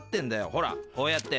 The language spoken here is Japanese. ほらこうやって。